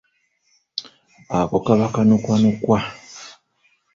Ako kaba kanukwanukwa.